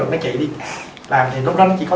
mẹ bé chạy đi làm thì lúc đó nó chỉ có